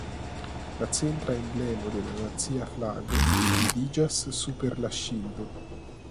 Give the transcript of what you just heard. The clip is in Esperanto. La centra emblemo de la nacia flago vidiĝas super la ŝildo.